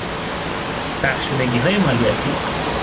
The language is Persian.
بخشودگیهای مالیاتی